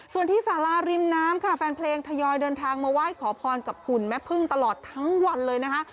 ส่วนที่สาราริมน้ำค่ะแฟนเพลงทยอยเดินทางมาไหว้ขอพรกับหุ่นแม่พึ่งตลอดทั้งวันเลยนะคะ